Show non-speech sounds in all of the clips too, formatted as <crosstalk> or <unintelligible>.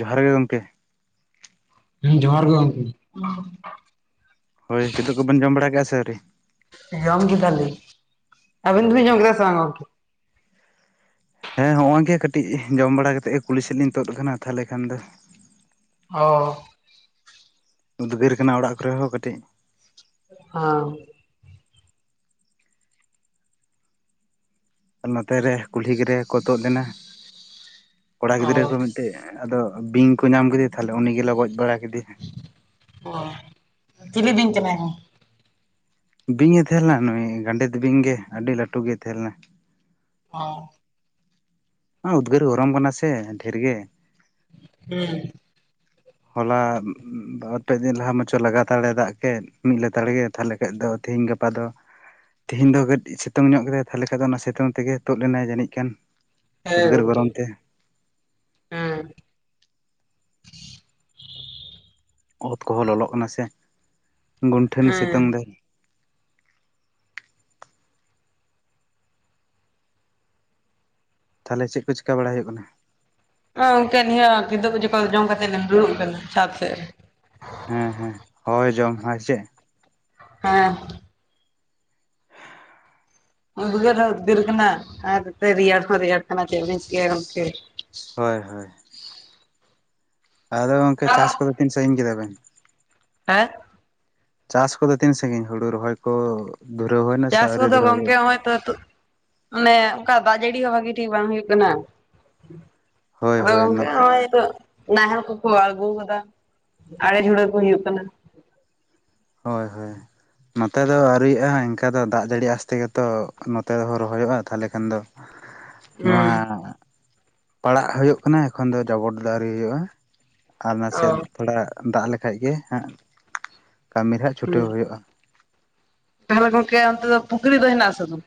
ᱡᱚᱦᱟᱨ ᱜᱮ ᱜᱚᱢᱠᱮ ᱦᱩᱸ ᱡᱚᱦᱟᱨ ᱜᱮ ᱜᱚᱢᱠᱮ ᱦᱳᱭ ᱠᱤᱫᱩᱵ ᱠᱚᱵᱤᱱ ᱡᱚᱢ ᱵᱟᱲᱟ ᱠᱮᱜᱼᱟ ᱥᱮ ᱟᱹᱣᱨᱤ ᱡᱚᱢ ᱠᱮᱫᱟᱞᱤᱧ ᱟᱵᱤᱱ ᱫᱚ ᱦᱳᱭ ᱵᱤᱱ ᱡᱚᱢ ᱦᱳᱭ ᱠᱮᱫᱟ ᱥᱮ ᱵᱟᱝ ᱜᱚᱢᱠᱮ ᱦᱮᱸ ᱦᱚᱸᱜ-ᱚᱭ ᱜᱮ ᱠᱟᱹᱴᱤᱡ ᱡᱚᱢ ᱵᱟᱲᱟ ᱠᱟᱛᱮᱫ ᱜᱮ ᱠᱩᱞᱦᱤ ᱥᱮᱫ ᱞᱤᱧ ᱛᱚᱫ ᱟᱠᱟᱱᱟ ᱛᱟᱞᱦᱮ ᱠᱷᱟᱱ ᱫᱚ ᱚ ᱩᱫᱽᱜᱟᱹᱨ ᱠᱟᱱᱟ ᱚᱲᱟᱜ ᱠᱚᱨᱮ ᱦᱚᱸ ᱠᱟᱹᱴᱤᱡ ᱦᱚᱸ ᱱᱚᱛᱮ ᱨᱮ ᱠᱩᱞᱦᱤ ᱜᱮᱨᱟᱹ ᱠᱚ ᱛᱩᱫ ᱞᱮᱱᱟ ᱠᱚᱲᱟ ᱜᱤᱫᱽᱨᱟᱹ ᱚ ᱠᱚ ᱢᱤᱫᱴᱤᱡ ᱟᱫᱚ ᱵᱤᱧ ᱠᱚ ᱧᱟᱢ ᱠᱮᱫᱮᱭᱟ ᱛᱟᱦᱞᱮ ᱩᱱᱤ ᱜᱮᱞᱮ ᱜᱚᱡ ᱵᱟᱲᱟ ᱠᱮᱫᱮᱭᱟ ᱚ ᱪᱤᱞᱤ ᱵᱤᱧ ᱠᱟᱱᱟᱭ ᱜᱚᱢ ᱵᱤᱧᱮ ᱛᱟᱦᱮᱸ ᱞᱮᱱᱟ ᱱᱩᱭ ᱜᱟᱸᱰᱮᱛ ᱵᱤᱧ ᱜᱮ ᱟᱹᱰᱤ ᱞᱟᱹᱴᱩ ᱜᱮᱭ ᱛᱟᱦᱮᱸ ᱞᱮᱱᱟ ᱚ ᱩᱫᱽᱜᱟᱹᱨ ᱜᱚᱨᱚᱢ ᱠᱟᱱᱟ ᱥᱮ ᱰᱷᱮᱨ ᱜᱮ ᱦᱩᱸ ᱦᱚᱞᱟ ᱵᱟᱨ-ᱯᱮ ᱫᱤᱱ ᱞᱟᱦᱟ ᱢᱟᱪᱚ ᱞᱟᱜᱟᱛᱟᱲᱮ ᱫᱟᱜ‌ᱠᱮᱫ ᱢᱤᱫ ᱞᱮᱛᱟᱲ ᱜᱮ ᱛᱟᱦᱞᱮ ᱠᱷᱟᱡ ᱫᱚ ᱛᱤᱦᱤᱧ ᱜᱟᱯᱟ ᱜᱟᱯᱟ ᱫᱚ ᱛᱤᱦᱤᱧ ᱫᱚ ᱠᱟᱹᱡ ᱥᱤᱛᱩᱝ ᱧᱚᱜ ᱠᱮᱫᱟᱭ ᱛᱟᱦᱣᱞᱮ ᱠᱷᱟᱱ ᱫᱚ ᱚᱱᱟ ᱥᱤᱛᱩᱝ ᱛᱮᱜᱮ ᱛᱩᱫ ᱞᱮᱱᱟᱭ ᱡᱟᱹᱱᱤᱡ ᱠᱷᱟᱱ ᱦᱮᱸ ᱩᱫᱽᱜᱟᱹᱨ ᱜᱚᱝᱠᱮ ᱜᱚᱨᱚᱢ ᱛᱮ ᱦᱮᱸ ᱚᱛ ᱠᱚᱦᱚᱸ ᱞᱚᱞᱚᱜ ᱠᱟᱱᱟ ᱥᱮ ᱜᱚᱱᱴᱷᱟᱹᱱᱤ ᱦᱮᱸ ᱥᱤᱛᱩᱝ ᱫᱟᱭ ᱛᱟᱦᱮᱞᱮ ᱪᱮᱫ ᱠᱚ ᱪᱤᱠᱟ ᱵᱟᱲᱟ ᱦᱩᱭᱩᱜ ᱠᱟᱱᱟ ᱚ ᱜᱚᱢᱠᱮ ᱱᱤᱭᱟᱹ ᱠᱤᱫᱩᱜ ᱡᱚᱢᱟᱜ ᱠᱚ ᱡᱚᱢ ᱠᱟᱛᱮ ᱫᱩᱲᱩᱵ ᱟᱠᱟᱱᱟ ᱪᱷᱟᱛ ᱥᱮᱫ ᱨᱮ ᱦᱮᱸ ᱦᱮᱸ ᱦᱚᱭ ᱡᱚᱢ ᱦᱮᱸ ᱪᱮᱫ ᱦᱮᱸ ᱩᱫᱜᱟᱹᱨ ᱦᱚᱸ ᱩᱫᱜᱟᱹᱨ ᱠᱟᱱᱟ ᱨᱮᱭᱟᱲ ᱦᱚᱸ ᱨᱮᱭᱟᱲ ᱠᱟᱱᱟ ᱛᱮ ᱪᱮᱫ ᱞᱤᱧ ᱪᱤᱠᱟᱹᱭᱟ ᱜᱟᱢᱠᱮ ᱦᱳᱭ ᱦᱳᱭ ᱟᱫᱚ ᱜᱚᱝᱠᱮ ᱪᱟᱥ ᱠᱚᱫᱚ ᱛᱤᱱ ᱥᱟᱹᱜᱤᱧ ᱠᱮᱫᱟ ᱵᱤᱱ ᱦᱮᱸ ᱪᱟᱥ ᱠᱚᱫᱚ ᱛᱤᱱ ᱥᱟᱹᱜᱤᱧ ᱦᱩᱲᱩ ᱨᱚᱦᱚᱭ ᱠᱚ ᱫᱷᱩᱨᱟᱹᱣ ᱦᱩᱭᱱᱟ ᱥᱮ ᱪᱟᱥ ᱟᱹᱣᱨᱤ ᱠᱚᱫᱚ ᱫᱷᱩᱨᱟᱹᱣ ᱜᱚᱢᱠᱮ ᱦᱩᱭᱩᱜᱼᱟ ᱦᱚᱭ ᱛᱚ ᱛᱩᱜ ᱢᱟᱱᱮ ᱚᱱᱠᱟ ᱫᱟᱜ ᱡᱟᱹᱲᱤ ᱦᱚᱸ ᱵᱷᱟᱹᱜᱤ ᱴᱷᱤᱠ ᱵᱟᱝ ᱦᱩᱭᱩᱜ ᱠᱟᱱᱟ ᱦᱳᱭ ᱟᱫᱚ ᱦᱳᱭ ᱜᱚᱝᱠᱮ ᱱᱚᱛᱮ ᱦᱚᱜᱚᱭ ᱛᱚ ᱱᱟᱦᱮᱞ ᱠᱚᱠᱚ ᱟᱬᱜᱩ ᱟᱠᱟᱫᱟ ᱟᱲᱮ ᱡᱷᱩᱲᱟᱹ ᱠᱚ ᱦᱩᱭᱩᱜ ᱠᱟᱱᱟ ᱦᱳᱭ ᱦᱳᱭ ᱱᱚᱛᱮ ᱫᱚ ᱟᱹᱣᱨᱤᱜᱼᱟ ᱮᱤᱱᱠᱟ ᱫᱚ ᱫᱟᱜ ᱡᱟᱹᱲᱤ ᱟᱥᱛᱮ ᱜᱮᱛᱚ ᱱᱚᱛᱮ ᱦᱚᱸ ᱨᱚᱦᱚᱭᱚᱜᱼᱟ ᱛᱟᱦᱚᱞᱮ ᱠᱷᱟᱱ ᱫᱚ <unintelligible> ᱱᱚᱣᱟ ᱯᱟᱲᱟᱜ ᱦᱩᱭᱩᱜ ᱠᱟᱱᱟ ᱮᱠᱷᱚᱱ ᱫᱚ ᱡᱟᱵᱚᱴ ᱫᱚ ᱟᱹᱣᱨᱤ ᱦᱩᱭᱩᱜᱼᱟ ᱟᱨ ᱚ ᱱᱟᱥᱮᱜ ᱛᱷᱚᱲᱟ ᱫᱟᱜ ᱞᱮᱠᱷᱟᱡ ᱜᱮ ᱦᱟᱸᱜ ᱠᱟᱹᱢᱤᱨᱮ ᱦᱟᱸᱜ ᱪᱷᱩᱴᱟᱹᱣ ᱦᱩᱭᱩᱜᱼᱟ ᱛᱟᱦᱞᱮ ᱜᱚᱢᱠᱮ ᱚᱱᱛᱮ ᱫᱚ ᱯᱩᱠᱷᱨᱤ ᱫᱚ ᱦᱮᱱᱟᱜ ᱟᱥᱮ ᱵᱟᱝ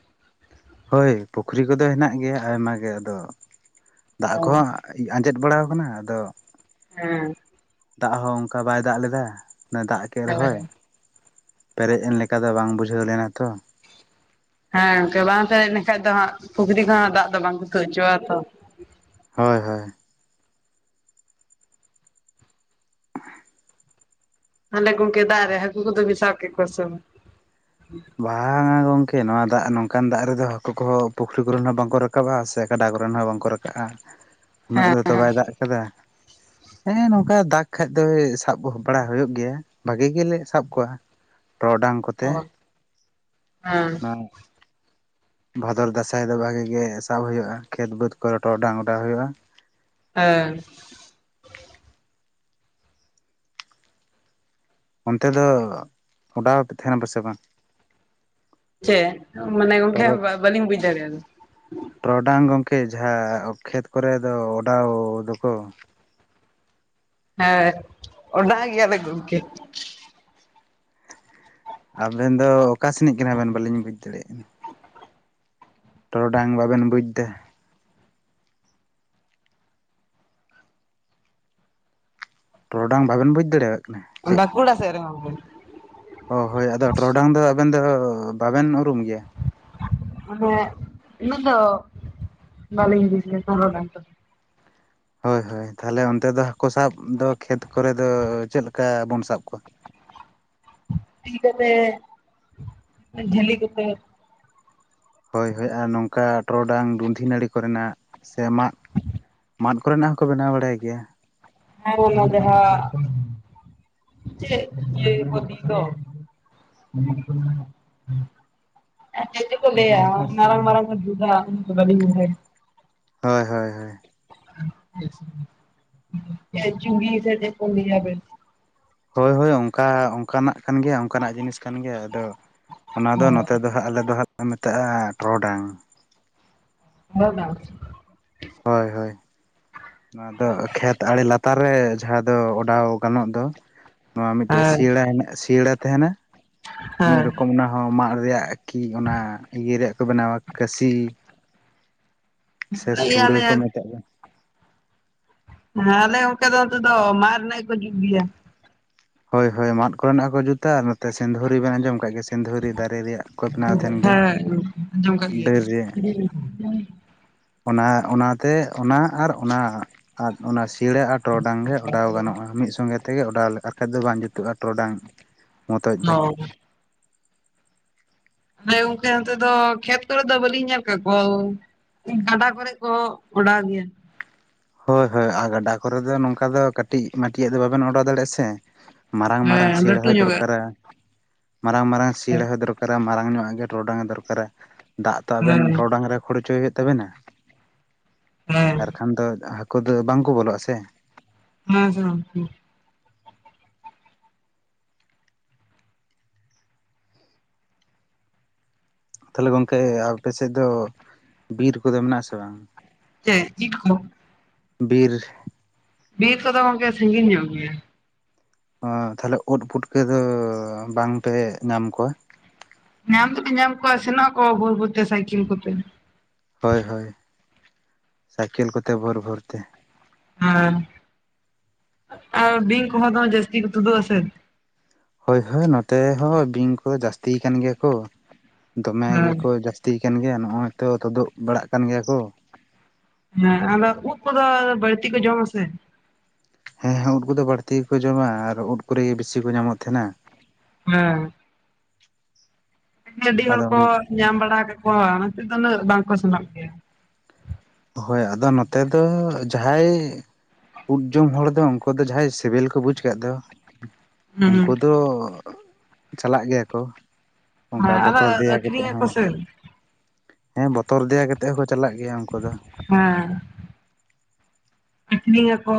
ᱦᱚᱭ ᱯᱩᱠᱷᱨᱤ ᱠᱚᱫᱚ ᱦᱮᱱᱟᱜ ᱜᱮᱭᱟ ᱟᱭᱢᱟ ᱜᱮ ᱟᱫᱚ ᱫᱟᱜ ᱚ ᱠᱚᱦᱚᱸ ᱟᱸᱡᱮᱫ ᱵᱟᱲᱟᱣ ᱟᱠᱟᱱᱟ ᱟᱫᱚ ᱦᱮᱸ ᱫᱟᱜ ᱦᱚᱸ ᱚᱱᱠᱟ ᱵᱟᱭ ᱫᱟᱜ ᱞᱮᱫᱟ ᱫᱟᱜ ᱠᱮᱫ ᱨᱮᱦᱚᱭ ᱦᱮᱸ ᱯᱮᱨᱮᱡ ᱮᱱ ᱞᱮᱠᱟ ᱫᱚ ᱵᱟᱝ ᱵᱩᱡᱷᱟᱹᱣ ᱞᱮᱱᱟ ᱛᱚ ᱦᱮᱸ ᱜᱚᱝᱠᱮ ᱵᱟᱝ ᱯᱮᱨᱮᱡ ᱞᱮᱱᱠᱷᱟᱡ ᱫᱚ ᱫᱟᱜ ᱯᱩᱠᱷᱨᱤ ᱠᱚᱦᱚ ᱫᱟᱜ ᱫᱚ ᱵᱟᱝ ᱛᱩ ᱦᱚᱪᱚᱣᱟᱜ ᱛᱚ ᱦᱚᱭ ᱦᱚᱭ <unintelligible> ᱦᱟᱱᱮ ᱜᱟᱢᱠᱮ ᱫᱟᱜ ᱨᱮ ᱦᱟᱹᱠᱩ ᱠᱚ ᱫᱚ ᱵᱤᱱ ᱥᱟᱵᱠᱮᱜ ᱠᱚᱣᱟ ᱥᱮ ᱵᱟᱝ ᱵᱟᱝᱟ ᱜᱚᱝᱠᱮ ᱱᱚᱣᱟ ᱫᱟᱜ ᱱᱚᱝᱠᱟᱱ ᱫᱟᱜ ᱨᱮᱫᱚ ᱦᱟᱹᱠᱩ ᱠᱚᱦᱚᱸ ᱯᱩᱠᱷᱨᱤ ᱠᱚᱨᱮᱱ ᱦᱚᱸ ᱵᱟᱝᱠᱚ ᱨᱟᱠᱟᱵᱼᱟ ᱥᱮ ᱠᱟᱰᱟ ᱠᱚᱨᱮᱱ ᱦᱚᱸ ᱵᱟᱝᱠᱚ ᱨᱟᱠᱟᱵᱼᱟ <unintelligible> ᱩᱱᱟᱹᱜ ᱫᱚ ᱛᱚ ᱵᱟᱭ ᱫᱟᱜ ᱟᱠᱟᱫᱟ ᱦᱮᱸ ᱱᱚᱝᱠᱟ ᱫᱟᱜᱽ ᱠᱷᱟᱡ ᱫᱚ ᱥᱟᱵ ᱵᱟᱲᱟ ᱦᱩᱭᱩᱜ ᱜᱮᱭᱟ ᱵᱷᱟᱹᱜᱤ ᱜᱮᱞᱮ ᱥᱟᱵ ᱠᱚᱣᱟ ᱴᱚᱨᱚᱰᱟᱝ ᱠᱚᱛᱮ ᱚ ᱦᱮᱸ ᱦᱩᱸ ᱵᱷᱟᱫᱚᱨ ᱫᱟᱥᱟᱸᱟᱭ ᱫᱚ ᱵᱷᱟᱜᱤ ᱜᱮ ᱥᱟᱵ ᱦᱩᱭᱩᱜᱼᱟ ᱠᱷᱮᱛ ᱵᱟᱹᱫᱽ ᱠᱚᱨᱮ ᱴᱚᱨᱚᱜᱰᱟᱝ ᱚᱰᱟᱣ ᱦᱩᱭᱩᱜᱼᱟ ᱦᱮᱸ ᱚᱱᱛᱮ ᱫᱚ ᱚᱰᱟᱣ ᱯᱮ ᱛᱟᱦᱮᱱᱟ ᱥᱮ ᱵᱟᱝ ᱪᱮ ᱢᱟᱱᱮ ᱜᱚᱝᱠᱮ ᱴᱚᱨᱚᱰ ᱵᱟᱹᱞᱤᱧ ᱵᱩᱡ ᱫᱟᱲᱮᱭᱟᱜᱼᱟ ᱴᱚᱨᱚᱰᱟᱝ ᱜᱚᱢᱠᱮ ᱡᱟᱦᱟᱸ ᱠᱷᱮᱛ ᱠᱚᱨᱮ ᱫᱚ ᱚᱰᱟᱣ ᱫᱚᱠᱚ ᱦᱮᱸ ᱚᱰᱟᱣ ᱜᱮᱭᱟᱞᱮ ᱜᱚᱢᱠᱮ ᱟᱵᱤᱱ ᱫᱚ ᱚᱠᱟ ᱥᱮᱱᱤᱡ ᱠᱟᱱᱟᱵᱤᱱ ᱵᱟᱹᱞᱤᱧ ᱵᱩᱡᱽ ᱫᱟᱲᱮᱭᱟᱜ ᱠᱟᱱᱟ ᱴᱚᱨᱚᱰᱟᱝ ᱵᱟᱵᱮᱱ ᱵᱩᱡᱽ ᱫᱟ ᱴᱚᱨᱚᱰᱟᱝ ᱵᱟᱵᱮᱱ ᱵᱩᱡᱽ ᱫᱟᱲᱮᱭᱟᱜ ᱠᱟᱱᱟ ᱪᱮᱫ <unintelligible> ᱚ ᱦᱳᱭ ᱟᱫᱚ ᱴᱚᱨᱰᱟᱝ ᱫᱚ ᱟᱵᱮᱱ ᱫᱚ ᱵᱟᱵᱮᱱ ᱩᱨᱩᱢ ᱜᱮᱭᱟ ᱦᱟᱱᱮ ᱩᱱᱟᱹᱜ ᱫᱚ ᱵᱟᱹᱞᱤᱧ ᱵᱩᱡᱟ ᱴᱚᱨᱚᱰᱟᱝ ᱫᱚ ᱦᱳᱭ ᱦᱳᱭ ᱛᱟᱦᱚᱞᱮ ᱚᱱᱛᱮ ᱫᱚ ᱦᱟᱹᱠᱩ ᱥᱟᱵ ᱫᱚ ᱠᱷᱮᱛ ᱠᱚᱨᱮ ᱫᱚ ᱪᱮᱫ ᱞᱮᱠᱟ ᱵᱚᱱ ᱥᱟᱵ ᱠᱚᱣᱟ ᱛᱤ ᱠᱚᱛᱮ ᱡᱷᱟᱹᱞᱤ ᱠᱟᱛᱮ ᱦᱳᱭ ᱦᱳᱭ ᱟᱨ ᱱᱚᱝᱠᱟ ᱴᱚᱨᱚᱰᱟᱝ ᱫᱩᱫᱷᱤ ᱱᱟᱹᱲᱤ ᱠᱚᱨᱮᱱᱟᱜ ᱥᱮ ᱢᱟᱜ ᱢᱟᱫ ᱠᱚᱨᱮᱱᱟᱜ ᱦᱚᱸᱠᱚ ᱵᱮᱱᱟᱣ ᱵᱟᱲᱟᱭ ᱜᱮᱭᱟ ᱦᱮᱸ ᱚᱱᱟ ᱡᱟᱦᱟᱸ ᱪᱮᱫ <unintelligible> ᱛᱚ ᱢ <inaudible> ᱪᱮᱫ ᱪᱚᱠᱚ ᱞᱟᱹᱭᱟ ᱢᱟᱨᱟᱝ ᱢᱟᱨᱟᱝ ᱵᱩᱡᱷᱟᱹ <inaudible> ᱦᱚᱭ ᱦᱚᱭ ᱪᱩᱲᱤ ᱥᱮ ᱪᱮᱫ ᱠᱚ ᱞᱟᱭᱟ ᱵᱮᱥ ᱦᱚᱭ ᱦᱚᱭ ᱚᱱᱠᱟ ᱚᱱᱠᱟᱱᱟᱜ ᱠᱟᱱ ᱜᱮᱭᱟ ᱚᱱᱠᱟᱱᱟᱜ ᱡᱤᱱᱤᱥ ᱠᱟᱱ ᱜᱮᱭᱟ ᱫᱚ ᱚᱱᱟ ᱫᱚ ᱱᱚᱛᱮ ᱫᱚ ᱦᱟᱸᱜ ᱟᱞᱮ ᱫᱚ ᱦᱟᱸᱜ ᱞᱮ ᱢᱮᱛᱟᱜᱼᱟ ᱴᱚᱨᱚᱰᱟᱝ ᱦᱚᱜ ᱵᱟᱝ ᱦᱳᱭ ᱦᱳᱭ <inaudible> ᱱᱚᱣᱟ ᱫᱚ ᱠᱷᱮᱛ ᱟᱲᱮ ᱞᱟᱛᱟᱨ ᱨᱮ ᱡᱟᱦᱟᱸ ᱫᱚ ᱚᱰᱟᱣ ᱜᱟᱱᱚᱜ ᱫᱚ ᱱᱚᱣᱟ ᱢᱤᱫᱴᱮᱡ ᱦᱮᱸ ᱥᱤᱭᱟᱹᱲᱟ ᱦᱮᱱᱟᱜ ᱥᱤᱭᱟᱹᱲᱟ ᱛᱟᱦᱮᱱᱟ ᱢᱤᱫ ᱦᱮᱸ ᱨᱚᱠᱚᱢ ᱚᱱᱟ ᱦᱚᱸ ᱢᱟᱫ ᱨᱮᱭᱟᱜ ᱠᱤ ᱚᱱᱟ ᱤᱭᱟᱹ ᱨᱮᱭᱟᱜ ᱠᱚ ᱵᱮᱱᱟᱣᱟ ᱠᱟᱹᱥᱤ ᱥᱮ ᱞᱟᱹᱭ ᱥᱩᱲᱟ. ᱟᱞᱮ ᱠᱚ ᱦᱮᱸ ᱢᱮᱛᱟᱜ ᱟ ᱦᱮᱸ ᱟᱞᱮ ᱚᱱᱛᱮ ᱫᱚ ᱱᱤᱛᱚᱜ ᱫᱚ ᱢᱟᱫ ᱨᱮᱱᱟᱜ ᱜᱮᱠᱚ ᱡᱩᱛ ᱜᱮᱭᱟ ᱦᱳᱭ ᱦᱳᱭ ᱢᱟᱫ ᱠᱚᱨᱮᱱᱟᱜ ᱦᱚᱸ ᱠᱚ ᱡᱩᱛᱟ ᱟᱨ ᱥᱤᱸᱫᱩᱨᱤ ᱵᱮᱱ ᱟᱸᱡᱚᱢ ᱠᱟᱜ ᱜᱮ ᱥᱤᱫᱷᱩᱨᱤ ᱫᱟᱨᱮ ᱨᱮᱭᱟᱜ ᱠᱚᱛᱱᱟ ᱛᱟᱦᱮᱱ ᱜᱮ ᱦᱮᱸ ᱰᱟᱹᱨ ᱨᱮᱭᱟᱜ ᱦᱩᱸ ᱚᱱᱟ ᱚᱱᱟᱛᱮ ᱚᱱᱟ ᱟᱨ ᱚᱱᱟ ᱟᱨ ᱚᱱᱟ ᱥᱤᱲᱟ. ᱟᱨ ᱴᱚᱨᱚᱰᱟᱝ ᱜᱮ ᱚᱰᱟᱣ ᱜᱟᱱᱚᱜᱼᱟ ᱢᱤᱫ ᱥᱚᱸᱜᱮ ᱛᱮᱜᱮ ᱚᱰᱟᱣ ᱟᱞᱮ ᱵᱟᱠᱷᱟᱡ ᱫᱚ ᱵᱟᱝ ᱡᱩᱛᱩᱜᱼᱟ ᱴᱚᱰᱟᱝ ᱢᱚᱛᱚᱡ ᱫᱚ ᱚ ᱦᱮ ᱜᱚᱢᱠᱮ ᱚᱱᱛᱮ ᱫᱚ ᱠᱷᱮᱛ ᱠᱚᱨᱮ ᱫᱚ ᱵᱟᱞᱤᱧ ᱧᱮᱞ ᱠᱟᱜ ᱠᱚᱣᱟ ᱜᱟᱰᱟ ᱠᱚᱨᱮ ᱠᱚ ᱚᱰᱟᱣ ᱜᱮᱭᱟ ᱦᱳᱭ ᱦᱳᱭ ᱟᱨ ᱜᱟᱰᱟ ᱠᱚᱨᱮ ᱫᱚ ᱱᱚᱝᱠᱟ ᱫᱚ ᱠᱟᱹᱴᱤᱡ ᱢᱟᱴᱤᱭᱟᱹ ᱫᱚ ᱵᱟᱵᱮᱱ ᱚᱰᱟᱨ ᱫᱟᱲᱮᱭᱟᱜᱼᱟ ᱥᱮ ᱢᱟᱨᱟᱝ ᱢᱟᱨᱟᱝ ᱦᱮᱸ ᱞᱟᱹᱴᱩ ᱥᱮᱬᱦᱟ ᱧᱚᱜᱟᱜ ᱫᱚᱨᱠᱟᱨᱟ ᱢᱟᱨᱟᱝ ᱢᱟᱨᱟᱝ ᱦᱮᱸ ᱥᱤᱨᱦᱟ ᱫᱚᱨᱠᱟᱨᱟ ᱢᱟᱨᱟᱝ ᱧᱚᱜ ᱜᱮ ᱴᱚᱨᱚᱰᱟᱝ ᱫᱚᱨᱠᱟᱨᱟ ᱫᱟᱜ ᱛᱚ ᱟᱵᱮᱱ ᱦᱮᱸ ᱴᱚᱨᱚᱰᱟᱝ ᱨᱮ ᱠᱷᱳᱲᱪᱚᱭ ᱦᱩᱭᱩᱜ ᱛᱟᱵᱮᱱᱟ ᱦᱮᱸ ᱟᱨᱠᱷᱟᱱ ᱫᱚ ᱦᱟᱹᱠᱩ ᱫᱚ ᱵᱟᱝᱠᱚ ᱵᱚᱞᱚᱜᱼᱟ ᱥᱮ ᱦᱮᱸ ᱟᱪᱷᱟ ᱜᱚᱢᱠᱮ ᱛᱟᱦᱞᱮ ᱜᱚᱝᱠᱮ ᱟᱯᱮ ᱥᱮᱫ ᱫᱚ ᱵᱤᱨ ᱠᱚᱫᱚ ᱢᱮᱱᱟᱜ ᱟᱥᱮ ᱵᱟᱝ ᱦᱮᱸ ᱤᱴ ᱠᱚ ᱵᱤᱨ ᱵᱤᱨ ᱠᱚᱫᱚ ᱜᱚᱢᱠᱮ ᱥᱟᱹᱜᱤᱧ ᱧᱚᱜ ᱜᱮᱭᱟ ᱛᱟᱦᱞᱮ ᱩᱫ ᱯᱩᱴᱠᱟᱹ ᱫᱚ ᱵᱟᱝ ᱯᱮ ᱧᱟᱢ ᱠᱚᱣᱟ ᱧᱟᱢ ᱫᱚᱵᱮᱱ ᱧᱟᱢ ᱠᱚᱣᱟ ᱥᱮᱱᱚᱜ ᱟᱠᱚ ᱵᱷᱳᱨ ᱵᱷᱳᱩᱨᱛᱮ ᱥᱟᱭᱠᱮᱞ ᱠᱚᱛᱮ ᱦᱳᱭ ᱦᱳᱭ ᱥᱟᱭᱠᱮᱞ ᱠᱚᱛᱮ ᱵᱷᱳᱨ ᱵᱷᱳᱨᱛᱮ ᱦᱮᱸ ᱟᱨ ᱵᱤᱧ ᱠᱚᱦᱚᱸ ᱫᱚ ᱡᱟᱹᱥᱛᱤ ᱠᱚ ᱛᱩᱫᱩᱜ ᱟᱥᱮ ᱦᱳᱭ ᱦᱳᱭ ᱱᱚᱛᱮ ᱦᱚᱸ ᱵᱤᱧ ᱠᱚ ᱡᱟᱹᱥᱛᱤ ᱠᱟᱱ ᱜᱮᱭᱟ ᱠᱚ ᱫᱚᱢᱮ ᱦᱮᱸ ᱜᱮᱠᱚ ᱡᱟᱹᱥᱛᱤ ᱡᱟ. ᱥᱛᱤ ᱠᱟᱱ ᱜᱮᱭᱟ ᱱᱚᱜ ᱚᱚᱭ ᱛᱚ ᱛᱩᱫᱩᱜ ᱵᱟᱲᱟᱜ ᱠᱟᱱ ᱜᱮᱭᱟ ᱠᱚ ᱦᱮᱸ ᱟᱫᱚ ᱩᱫ ᱠᱚᱫᱚ ᱵᱟᱹᱲᱛᱤ ᱠᱚ ᱡᱚᱢ ᱟᱥᱮ ᱦᱮᱸ ᱦᱮᱸ ᱩᱫ ᱠᱚᱫᱚ ᱵᱟᱹᱲᱛᱤ ᱜᱮᱠᱚ ᱡᱚᱢᱟ ᱟᱨ ᱩᱫ ᱠᱚᱨᱮ ᱜᱮ ᱵᱤᱥᱤ ᱠᱚ ᱧᱟᱢᱚᱜ ᱛᱟᱦᱮᱱᱟ ᱦᱮᱸ ᱟᱹᱰᱤ ᱦᱚᱲ ᱟᱫᱚ ᱠᱚ ᱧᱟᱢ ᱵᱟᱲᱟ ᱠᱟᱠᱚᱣᱟ ᱚᱱᱟ ᱛᱮ ᱫᱚ ᱩᱱᱟᱹᱜ ᱵᱟᱝᱠᱚ ᱥᱮᱱᱚᱜ ᱜᱮᱭᱟ ᱦᱳᱭ ᱟᱫᱚ ᱱᱚᱛᱮ ᱫᱚ ᱡᱟᱦᱟᱸᱭ ᱩᱫ ᱡᱚᱢ ᱦᱚᱲ ᱫᱚ ᱩᱱᱠᱩ ᱫᱚ ᱡᱟᱦᱟᱸᱟᱭ ᱥᱤᱵᱤᱞ ᱠᱚ ᱵᱩᱡ ᱠᱟᱫ ᱫᱚ ᱩᱱᱠᱩ ᱦᱮᱸ ᱫᱚ <inaudible> ᱪᱟᱞᱟᱜ ᱜᱮᱭᱟ ᱠᱚ᱾ ᱚᱱᱠᱟ ᱦᱮᱸ ᱟᱫᱚ ᱵᱚᱛᱚᱨ ᱫᱮᱭᱟ ᱠᱟᱛᱮᱫ ᱟᱹᱠᱷᱨᱤᱧ ᱦᱚᱸ ᱟᱠᱚ ᱥᱮ ᱦᱮᱸ ᱵᱚᱛᱚᱨ ᱫᱮᱭᱟ ᱠᱟᱛᱮᱜ ᱦᱚᱸᱠᱚ ᱪᱟᱞᱟᱜ ᱜᱮᱭᱟ ᱩᱱᱠᱩ ᱫᱚ᱾ ᱦᱮᱸᱻ ᱟᱹᱴᱷᱱᱤ ᱭᱟᱠᱚ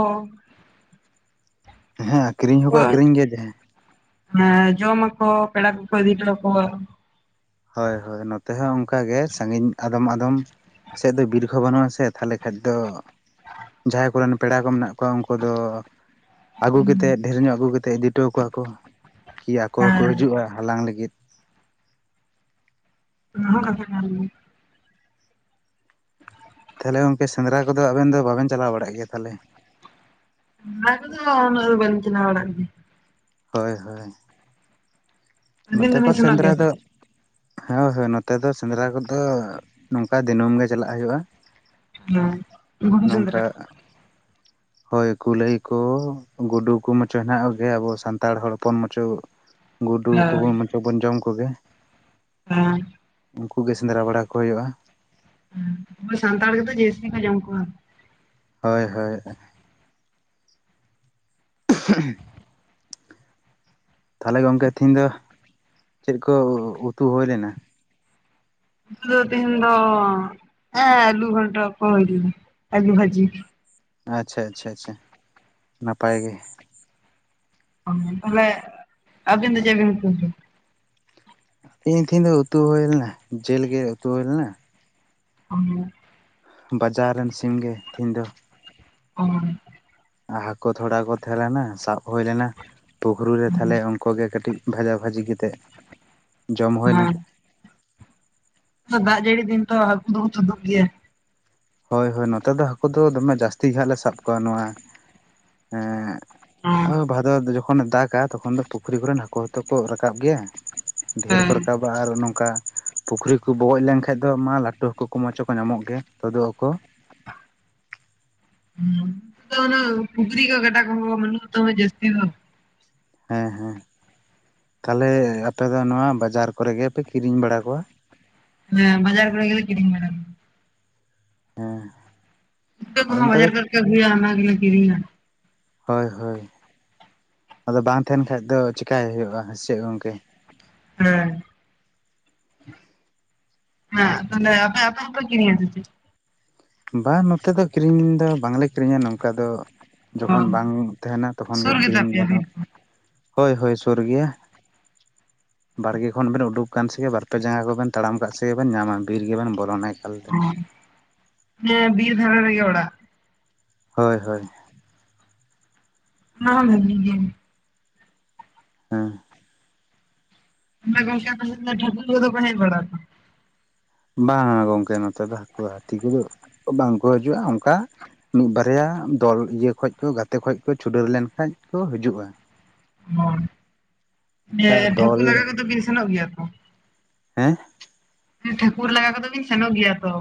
ᱦᱮᱸ ᱟᱠᱷᱨᱤᱧ ᱦᱚᱸᱠᱚ ᱟᱠᱷᱨᱤᱧ ᱜᱮᱭᱟ ᱡᱮᱸ ᱦᱮᱸ ᱡᱚᱢ ᱟᱠᱚ ᱯᱮᱲᱟ ᱠᱚᱠᱚ ᱤᱫᱤ ᱦᱚᱴᱚ ᱟᱠᱚᱣᱟ᱾ ᱦᱚᱭ ᱦᱚᱭ ᱱᱚᱛᱮ ᱦᱚᱸ ᱚᱱᱠᱟ ᱜᱮ ᱥᱟᱺᱜᱤᱧ ᱟᱫᱚᱢ ᱟᱫᱚᱢ ᱥᱮᱫ ᱫᱚ ᱵᱤᱨ ᱠᱚ ᱵᱟᱹᱱᱩᱜ ᱟᱥᱮ ᱛᱟᱦᱚᱞᱮ ᱠᱷᱟᱡ ᱫᱚ ᱡᱟᱦᱟᱸᱭ ᱠᱚᱨᱮᱱ ᱯᱮᱲᱟ ᱠᱚ ᱢᱮᱱᱟᱜ ᱠᱚᱣᱟ ᱩᱱᱠᱩ ᱫᱚ ᱟᱹᱜᱩ ᱠᱟᱛᱮᱫ ᱰᱷᱮᱨ ᱧᱚᱜ ᱟᱹᱜᱩᱛᱮᱫ ᱤᱫᱤ ᱦᱚᱴᱚ ᱟᱠᱚᱣᱟ ᱠᱚ ᱠᱤ ᱟᱠᱚ ᱦᱚᱸᱠᱚ ᱦᱮᱸ ᱦᱤᱡᱩᱜᱼᱟ ᱦᱟᱞᱟᱝ ᱞᱟᱹᱜᱤᱫ ᱚᱱᱟ ᱦᱚ ᱠᱟᱛᱷᱟ ᱠᱟᱱ ᱜᱮᱭᱟ ᱛᱟᱦᱚᱞᱮ ᱜᱚᱝᱠᱮ ᱥᱮᱸᱫᱽᱨᱟ ᱠᱚ ᱫᱚ ᱟᱵᱮᱱ ᱫᱚ ᱵᱟᱵᱮᱱ ᱪᱟᱞᱟᱣ ᱵᱟᱲᱟᱜ ᱜᱮᱭᱟ ᱛᱟᱦᱚᱞᱮ <unintelligible> ᱩᱱᱟᱹᱜ ᱫᱚ ᱵᱟᱠᱤᱧ ᱪᱟᱞᱟᱣ ᱵᱟᱱᱟᱜ ᱜᱮᱭᱟ ᱦᱳᱭ ᱦᱳᱭ ᱟᱹᱵᱤᱱ ᱱᱚᱛᱮ ᱠᱚ‌ ᱫᱚᱵᱤᱱ ᱥᱮᱱᱚᱜ ᱥᱮᱸᱫᱽᱨᱟ ᱜᱮᱭᱟ ᱥᱮ ᱫᱚ ᱪᱮᱫ? ᱦᱮᱸ ᱦᱳᱭ ᱱᱚᱛᱮ ᱫᱚ ᱥᱮᱸᱫᱽᱨᱟ ᱠᱚ ᱫᱚ ᱱᱚᱝᱠᱟ ᱫᱤᱱᱟᱹᱢ ᱜᱮ ᱪᱟᱞᱟᱜ ᱦᱩᱭᱩᱜᱼᱟ ᱱᱚᱝᱠᱟ <inaudible> ᱦᱳᱭ ᱠᱩᱞᱟᱹᱭ ᱠᱚ ᱜᱩᱰᱩ ᱠᱚ ᱢᱟᱪᱚ ᱦᱮᱱᱟᱜ ᱠᱚ ᱜᱮ ᱟᱵᱚ ᱥᱟᱱᱛᱟᱲ ᱦᱚᱲ ᱦᱚᱯᱚᱱ ᱢᱟᱪᱚ ᱜᱩᱰᱩ ᱦᱳᱭ ᱠᱚᱵᱚᱱ ᱢᱚᱪᱚ ᱵᱚᱱ ᱡᱚᱢ ᱠᱚᱜᱮ <unintelligible> ᱩᱱᱠᱩ ᱜᱮ ᱥᱮᱸᱫᱽᱨᱟ ᱵᱟᱲᱟ ᱠᱚ ᱦᱩᱭᱩᱜᱼᱟ ᱟᱵᱚ ᱥᱟᱱᱛᱟᱲ ᱜᱮᱛᱚ ᱡᱟᱥᱛᱤ ᱠᱚ ᱡᱚᱢ ᱠᱚᱣᱟ ᱦᱳᱭ ᱦᱳᱭ <unintelligible> ᱛᱟᱦᱚᱞᱮ ᱜᱚᱢᱠᱮ ᱛᱤᱦᱮᱧ ᱫᱚ ᱪᱮᱫ ᱠᱚ ᱩᱛᱩ ᱦᱩᱭ ᱞᱮᱱᱟ ᱫᱚ ᱛᱤᱦᱤᱧ ᱫᱚ ᱮ ᱟᱞᱩ ᱜᱚᱴᱟ ᱠᱚ ᱟᱞᱩ ᱵᱷᱟᱹᱡᱤ ᱟᱪᱪᱷᱟ ᱟᱪᱪᱷᱟ ᱟᱪᱪᱷᱟ ᱱᱟᱯᱟᱭ ᱜᱮ ᱛᱟᱦᱚᱞᱮ ᱟᱵᱤᱱ ᱪᱮᱫ <unintelligible> ᱛᱮᱦᱮᱧ ᱫᱚ ᱩᱛᱩ ᱦᱩᱭ ᱞᱮᱱᱟ ᱡᱤᱞ ᱜᱮ ᱩᱛᱩ ᱦᱩᱭ ᱞᱮᱱᱟ <inaudible> ᱵᱟᱡᱟᱨ ᱨᱮᱱ ᱥᱤᱢᱜᱮ ᱛᱤᱦᱤᱧ ᱫᱚ ᱚ <unintelligible> ᱟᱨ ᱦᱟᱹᱠᱩ ᱛᱷᱚᱲᱟ ᱠᱚ ᱛᱟᱦᱮᱸ ᱞᱮᱱᱟ ᱥᱟᱵ ᱦᱩᱭ ᱞᱮᱱᱟ ᱯᱩᱠᱷᱨ ᱨᱮ ᱛᱟᱦᱚᱞᱮ ᱩᱱᱠᱩ ᱜᱮ ᱠᱟᱹᱴᱤᱡ ᱵᱷᱟᱡᱟᱼ ᱵᱷᱟᱹᱡᱤ ᱠᱟᱛᱮᱫ ᱡᱚᱢ ᱦᱩᱭᱱᱟ ᱫᱟᱜ ᱡᱟᱹᱲᱤ ᱫᱤᱱ ᱛᱚ ᱦᱟᱹᱠᱩ ᱫᱚ ᱠᱚ ᱛᱩᱫᱩᱜ ᱜᱮᱭᱟ ᱦᱳᱭ ᱦᱳᱭ ᱱᱚᱛᱮ ᱫᱚ ᱦᱟᱹᱠᱩ ᱫᱚ ᱫᱚᱢᱮ ᱡᱟᱹᱥᱛᱤ ᱜᱮ ᱦᱟᱜ ᱞᱮ ᱥᱟᱵ ᱠᱚᱣᱟ ᱱᱚᱣᱟ ᱦᱮᱸ ᱦᱚ ᱵᱷᱟᱫᱚᱨ ᱡᱚᱠᱷᱚᱱᱮ ᱫᱟᱜᱟ ᱛᱚᱠᱷᱚᱱ ᱫᱚ ᱯᱩᱠᱷᱨᱤ ᱠᱚᱨᱮᱱ ᱦᱟᱹᱠᱩ ᱦᱚᱸᱛᱚ ᱠᱚ ᱨᱟᱠᱟᱵ ᱜᱮᱭᱟ ᱰᱷᱮᱨ ᱠᱚ ᱦᱮᱸ ᱨᱟᱠᱟᱵ ᱟᱨ ᱱᱚᱝᱠᱟ ᱯᱩᱠᱷᱨᱤ ᱠᱚ ᱵᱚᱜᱚᱡ ᱞᱮᱱᱠᱷᱟᱱ ᱫᱚ ᱢᱟ ᱞᱟᱹᱴᱩ ᱦᱟᱹᱠᱩ ᱠᱚ ᱢᱟᱪᱚ ᱦᱚᱸᱠᱚ ᱧᱟᱢᱚᱜ ᱜᱮᱭᱟ ᱛᱚᱫᱚ ᱟᱠᱚ ᱦᱩ ᱛᱚ ᱚᱱᱟ ᱯᱩᱠᱷᱨᱤ ᱠᱚ ᱜᱟᱰᱟ ᱠᱚ ᱵᱟᱱᱩᱜ ᱛᱟᱯᱮᱭᱟ ᱡᱟᱹᱥᱛᱤ ᱫᱚ ᱦᱮᱸ ᱦᱮᱸ ᱛᱟᱦᱚᱞᱮ ᱟᱯᱮ ᱫᱚ ᱱᱚᱣᱟ ᱵᱟᱡᱟᱨ ᱠᱚᱨᱮ ᱜᱮᱯᱮ ᱠᱤᱨᱤᱧ ᱵᱟᱲᱟ ᱠᱚᱣᱟ ᱦᱮᱸ ᱵᱟᱡᱟᱨ ᱠᱚᱨᱮ ᱜᱮᱞᱮ ᱠᱤᱨᱤᱧ ᱵᱟᱲᱟ ᱦᱮᱸ ᱯᱩᱴᱠᱟᱹ ᱟᱫᱚ ᱠᱚᱦᱚ ᱱᱮᱛᱟᱨ ᱵᱟᱡᱟᱨ ᱫᱚ ᱠᱚᱨᱮ ᱠᱚ ᱟᱜᱩᱭᱟ ᱚᱱᱟ ᱜᱮᱞᱤᱧ ᱠᱤᱨᱤᱧᱟ ᱦᱳᱭ ᱦᱳᱭ ᱟᱫᱚ ᱵᱟᱝ ᱛᱟᱦᱮᱱ ᱠᱷᱟᱡ ᱫᱚ ᱪᱮᱠᱟᱭ ᱦᱩᱭᱩᱜᱼᱟ ᱥᱮ ᱜᱚᱢᱠᱮ ᱦᱮᱸ ᱦᱮᱸ ᱛᱟᱦᱚᱞᱮ ᱟᱯᱮ ᱟᱯᱮ ᱦᱚ ᱯᱮ ᱠᱤᱨᱤᱧ-ᱟ ᱥᱮ ᱪᱮᱫ ᱵᱟᱝ ᱱᱚᱛᱮ ᱫᱚ ᱠᱤᱨᱤᱧ ᱫᱚ ᱵᱟᱝᱞᱮ ᱠᱤᱨᱤᱧᱟ ᱱᱚᱝᱠᱟ ᱫᱚ ᱚ ᱡᱚᱠᱷᱚᱱ ᱵᱟᱝ ᱛᱟᱦᱮᱱᱟ ᱛᱚᱠᱷᱚᱱᱜᱤ ᱥᱩᱨ ᱜᱮᱛᱟ ᱠᱤᱨᱤᱧ ᱯᱮᱭᱟ ᱵᱤᱨ ᱠᱚ <unintelligible> ᱦᱳᱭ ᱦᱳᱭ ᱥᱩᱨ ᱜᱤᱭᱟ ᱵᱟᱲᱜᱮ ᱠᱷᱚᱱ ᱵᱮᱱ ᱩᱰᱩᱠ ᱟᱠᱟᱱ ᱥᱮᱜᱮ ᱵᱟᱨᱯᱮ ᱡᱟᱸᱜᱟ ᱠᱚ ᱵᱮᱱ ᱛᱟᱲᱟᱢ ᱠᱟᱜ ᱥᱮᱜᱮ ᱵᱮᱱ ᱧᱟᱢᱟ ᱵᱤᱨ ᱜᱮᱵᱮᱱ ᱵᱚᱞᱚᱱᱮᱫ ᱠᱚᱣᱟ ᱦᱩᱸ ᱵᱤᱨ ᱫᱷᱟᱨᱟ ᱨᱮ ᱜᱮ ᱚᱲᱟᱜ ᱦᱳᱭ ᱦᱳᱭ ᱚᱱᱟ ᱦᱚᱸ ᱵᱷᱟᱹᱜᱮ ᱜᱮ ᱦᱮᱸ ᱛᱟᱦᱮᱞᱮ ᱜᱚᱢᱠᱮ ᱟᱯᱮᱥᱮᱫ ᱫᱚ ᱴᱷᱟᱠᱩᱨ ᱠᱚᱫᱟ ᱠᱚ ᱦᱮᱡ ᱵᱟᱲᱟᱜ ᱛᱚ ᱵᱟᱝ ᱜᱚᱢᱠᱮ ᱱᱚᱛᱮ ᱫᱚ ᱦᱟᱹᱠᱩ ᱦᱟᱹᱛᱤ ᱠᱚᱫᱚ ᱵᱟᱝ ᱠᱚ ᱦᱤᱡᱩᱜᱼᱟ ᱚᱱᱠᱟ ᱢᱤᱫ ᱵᱟᱨᱭᱟ ᱫᱚᱞ ᱤᱭᱟᱹ ᱠᱷᱚᱱ ᱠᱚ ᱜᱟᱛᱮ ᱠᱷᱚᱱ ᱠᱚ ᱪᱷᱩᱰᱣ ᱞᱮᱱ ᱠᱷᱟᱱᱡ ᱠᱚ ᱦᱤᱡᱩᱜᱼᱟ ᱚᱸ ᱚᱱᱠᱟ ᱢᱮᱭᱟᱭ ᱴᱷᱟᱹᱠᱩᱨ ᱫᱚᱞ ᱞᱟᱜᱟ ᱠᱚᱫᱚ ᱵᱤᱱ ᱥᱮᱱᱚᱜ ᱜᱮᱭᱟ ᱛᱚ ᱦᱮᱸ ᱴᱷᱟᱹᱠᱩᱨ ᱞᱟᱜᱟ ᱠᱚᱫᱚ ᱵᱤᱱ ᱥᱮᱱᱚᱜ ᱜᱮᱭᱟ ᱛᱚ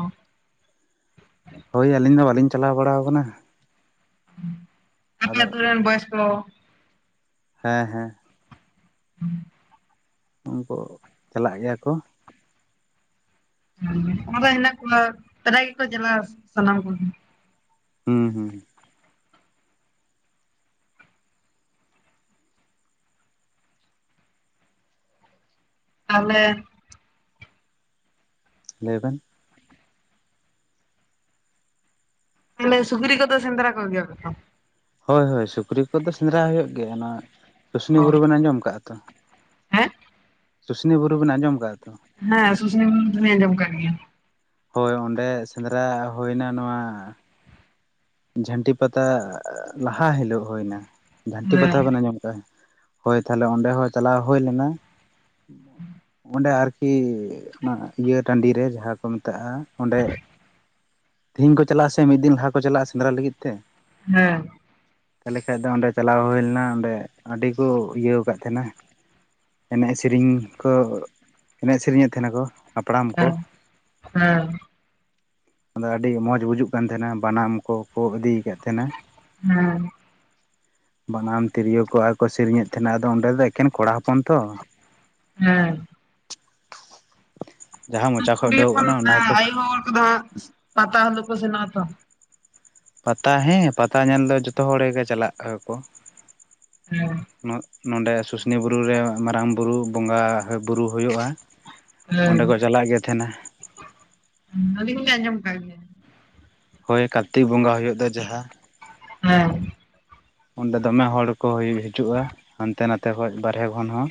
ᱦᱳᱭ ᱟᱹᱞᱤᱧ ᱢᱟ ᱵᱟᱹᱞᱤᱧ ᱪᱟᱞᱟᱣ ᱵᱟᱲᱟ ᱠᱟᱱᱟ ᱩᱸ ᱟᱯᱮ ᱟᱫᱚ ᱟᱛᱳ ᱨᱮᱱ ᱵᱚᱭᱮᱥ ᱠᱚ ᱦᱮᱸ ᱦᱮᱸ <unintelligible> ᱩᱱᱠᱩ ᱪᱟᱞᱟᱜ ᱜᱮᱭᱟ ᱠᱚ᱾ <unintelligible> ᱚᱱᱟᱫᱚ ᱦᱮᱱᱟᱜ ᱠᱚᱣᱟ <unintelligible> ᱜᱮᱠᱚ ᱪᱟᱞᱟᱣᱟ ᱥᱟᱱᱟᱢ ᱠᱚᱜᱮ᱾ ᱦᱩᱸ ᱦᱩᱸ ᱛᱟᱦᱚᱞᱮ ᱞᱟᱹᱭᱵᱮᱱ ᱛᱟᱦᱚᱞᱮ ᱥᱩᱠᱨᱤ ᱠᱚᱫᱚ ᱥᱮᱸᱫᱽᱨᱟ ᱠᱚᱜᱮᱭᱟ ᱠᱚᱛᱚ? ᱦᱚᱭ ᱦᱚᱭ ᱥᱩᱠᱨᱤ ᱠᱚᱫᱚ ᱥᱮᱸᱫᱽᱨᱟ ᱦᱩᱭᱩᱜ ᱜᱮᱭᱟ ᱚᱱᱟ ᱥᱩᱥᱱᱤ ᱚ ᱵᱩᱨᱩ ᱵᱤᱱ ᱟᱸᱡᱚᱢ ᱟᱠᱟᱫ? ᱦᱮᱸ ᱥᱩᱥᱱᱤ ᱵᱩᱨᱩ ᱵᱤᱱ ᱟᱸᱡᱚᱢ ᱠᱟᱜ ᱛᱚ? ᱦᱮᱸ ᱥᱩᱥᱱᱤ ᱵᱩᱨᱩ ᱫᱚ ᱞᱤᱧ ᱟᱸᱡᱚᱢ ᱟᱠᱟᱜ ᱜᱮᱭᱟ᱾ ᱦᱚᱭ ᱚᱸᱰᱮ ᱥᱮᱸᱫᱽᱨᱟ ᱦᱳᱭᱱᱟ ᱱᱚᱶᱟ ᱡᱷᱟᱱᱴᱤ ᱯᱟᱛᱟ ᱞᱟᱦᱟ ᱦᱤᱞᱚᱜ ᱦᱩᱭᱱᱟ ᱾ ᱡᱷᱟᱱᱴᱤ ᱯᱟᱛᱟ ᱦᱮᱸ ᱵᱮᱱ ᱟᱸᱡᱚᱢ ᱠᱟᱜᱼᱟ? <inaudible> ᱦᱚᱭ ᱛᱟᱦᱞᱮ ᱚᱸᱰᱮ ᱦᱚᱸ ᱪᱟᱞᱟᱣ ᱦᱩᱭ ᱞᱮᱱᱟ <inaudible> ᱚᱸᱰᱮ ᱟᱨᱠᱤ ᱠᱤᱻ ᱚᱱᱟ ᱤᱭᱟᱹ ᱴᱟᱺᱰᱤ ᱨᱮ ᱡᱟᱦᱟᱸ ᱠᱚ ᱢᱮᱛᱟᱜᱼᱟ ᱚᱸᱰᱮ <inaudible> ᱛᱮᱦᱮᱧ ᱠᱚ ᱪᱟᱞᱟᱜ-ᱟ ᱥᱮ, ᱢᱤᱫ ᱫᱤᱱ ᱞᱟᱦᱟ ᱠᱚ ᱪᱟᱞᱟᱜᱼᱟ ᱥᱮᱸᱫᱽᱨᱟ ᱞᱟᱹᱜᱤᱫ ᱛᱮ ᱦᱮᱸ ᱛᱟᱦᱚᱞᱮ ᱠᱷᱟᱡ ᱫᱚ ᱚᱸᱰᱮ ᱪᱟᱞᱟᱣ ᱦᱩᱭ ᱞᱮᱱᱟ ᱚᱸᱰᱮ ᱟᱹᱰᱤ ᱠᱚ ᱤᱭᱟᱹᱣ ᱠᱟᱫ ᱛᱟᱦᱮᱱᱟ᱾ ᱮᱱᱮᱡ ᱥᱮᱨᱮᱧ ᱠᱚ <inaudible> ᱮᱱᱮᱡ ᱥᱮᱨᱮᱧᱮᱫ ᱛᱟᱦᱮᱸ ᱱᱟᱠᱚ ᱦᱟᱯᱲᱟᱢ ᱠᱚ ᱦᱩᱸ ᱟᱫᱚ ᱟᱹᱰᱤ ᱢᱚᱸᱡᱽ ᱵᱩᱡᱩᱜ ᱠᱟᱱ ᱛᱟᱦᱮᱸᱱᱟ ᱵᱟᱱᱟᱢ ᱠᱚᱠᱚ ᱤᱫᱤ ᱠᱟᱫ ᱛᱟᱦᱮᱸᱱᱟ᱾ ᱦᱮᱸ ᱵᱟᱱᱟᱢ ᱛᱤᱨᱭᱳ ᱠᱚ ᱟᱨ ᱠᱚ ᱥᱮᱨᱮᱧᱮᱫ ᱛᱟᱦᱮᱸᱱᱟ ᱟᱫᱚ ᱚᱸᱰᱮ ᱫᱚ ᱮᱠᱮᱱ ᱠᱚᱲᱟ ᱦᱚᱯ ᱯᱚᱱ ᱛᱚ <inaudible> ᱦᱮᱸ ᱡᱟᱦᱟᱸ ᱢᱚᱪᱟ ᱠᱷᱚᱡ ᱩᱰᱩᱠᱚᱜ ᱠᱟᱱᱟ ᱚᱱᱟ ᱜᱮᱠᱚ <unintelligible> ᱟᱭᱳ ᱦᱚᱲ ᱠᱚᱫᱚ <inaudible> ᱯᱟᱛᱟ ᱦᱤᱞᱩ ᱠᱚ ᱥᱮᱱᱚᱜ-ᱟ ᱛᱚ ᱯᱟᱛᱟ ᱦᱮᱸ ᱯᱟᱛᱟ ᱧᱮᱞ ᱫᱚ ᱡᱚᱛᱚ ᱦᱚᱲ ᱜᱮᱠᱚ ᱪᱟᱞᱟᱜ-ᱟ ᱠᱚ᱾ ᱦᱮᱸ ᱱᱚᱰᱮ ᱥᱩᱥᱱᱤ ᱵᱩᱨᱩ ᱨᱮ ᱢᱟᱨᱟᱝ ᱵᱩᱨᱩ ᱵᱚᱸᱜᱟ ᱵᱩᱨᱩ ᱦᱩᱭᱩᱜ-ᱟ ᱾ ᱚᱸᱰᱮ ᱠᱚ ᱪᱟᱞᱟᱜ ᱜᱮ ᱛᱟᱦᱮᱱᱟ᱾ ᱦᱩᱸ ᱟᱹᱞᱤᱧ ᱦᱚᱸ ᱞᱤᱧ ᱟᱸᱡᱚᱢ ᱟᱠᱟᱜ ᱜᱮᱭᱟ᱾ ᱦᱮᱸ ᱦᱚᱭ ᱠᱟᱨᱛᱤᱠ ᱵᱚᱸᱜᱟ ᱦᱩᱭᱩᱜ ᱫᱚ ᱡᱟᱦᱟᱸ ᱦᱮᱸ ᱚᱸᱰᱮ ᱫᱚᱢᱮ ᱦᱚᱲ ᱠᱚ ᱦᱤᱡᱩᱜᱼᱟ ᱦᱟᱱᱛᱮ ᱱᱟᱛᱮ ᱠᱷᱚᱡ ᱵᱟᱨᱦᱮ ᱠᱷᱚᱱ ᱦᱚᱸ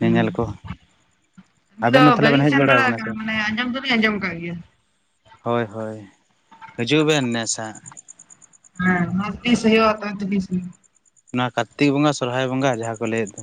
ᱧᱮᱧᱮᱞ ᱠᱚ ᱤᱧ ᱟᱵᱮᱱ ᱫᱚ ᱛᱟᱦᱞᱮ ᱵᱮᱱ ᱵᱟᱹᱞᱤᱧ ᱦᱮᱡ ᱥᱮᱱ ᱵᱟᱲᱟ ᱟᱠᱟᱱᱟ ᱥᱮ ᱵᱟᱝ ᱢᱟᱱᱮ ᱟᱸᱡᱚᱢ ᱫᱚᱞᱤᱧ ᱟᱸᱡᱚᱢ ᱠᱟᱜ ᱜᱮᱭᱟ ᱦᱳᱭ ᱦᱳᱭ ᱦᱤᱡᱩᱜ ᱵᱮᱱ ᱱᱮᱥ ᱦᱟᱜ ᱦᱮᱸ ᱛᱤᱥ ᱦᱳᱭᱳᱜ-ᱟ <inaudible> ᱚᱱᱟ ᱠᱟᱨᱛᱤᱠ ᱵᱚᱸᱜᱟ ᱥᱚᱨᱦᱟᱭ ᱵᱚᱸᱜᱟ ᱡᱟᱦᱟᱸ ᱠᱚ ᱞᱟᱹᱭᱮᱫ ᱫᱚ